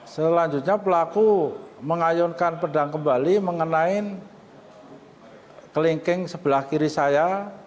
selanjutnya pelaku mengayunkan pedang kembali mengenai kelingking sebelah kiri saya